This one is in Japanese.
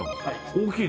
大きいね。